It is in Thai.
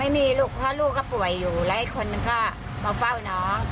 ไม่มีลูกพ่อลูกก็ป่วยอยู่แล้วคนก็มาเฝ้าน้อง